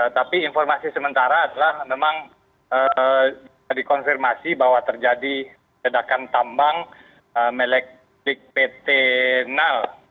tapi informasi sementara adalah memang dikonfirmasi bahwa terjadi ledakan tambang meleklik pt nal